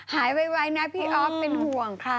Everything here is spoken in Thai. ไวนะพี่อ๊อฟเป็นห่วงค่ะ